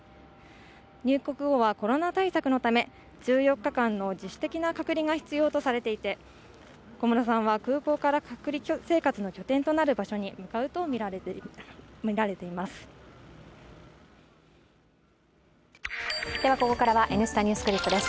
入国後はコロナ対策のため１４日間の自主的な隔離が必要とされていて小室さんは空港から隔離生活の拠点となる場所に向かうとみられています。